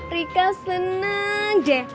rika seneng deh